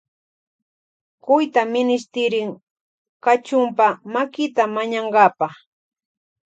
Cuyta minishtirin Kachunpa makita mañankapa.